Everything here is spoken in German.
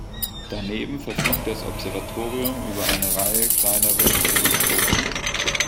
Daneben verfügt das Observatorium über eine Reihe kleinere Teleskope.